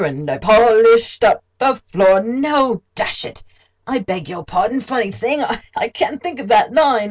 And I polished up the floor—no, dash it—I beg your pardon—funny thing, I can't think of that line.